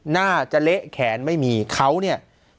หน้าจะเละแขนไม่มีเขาเนี่ย